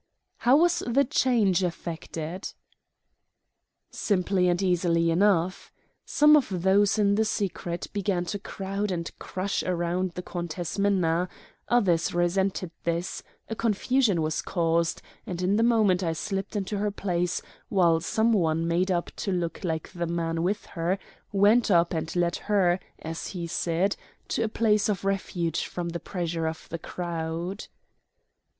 "And how was the change effected?" "Simply and easily enough. Some of those in the secret began to crowd and crush round the Countess Minna; others resented this, a confusion was caused, and in the moment I slipped into her place, while some one made up to look like the man with her went up and led her, as he said, to a place of refuge from the pressure of the crowd."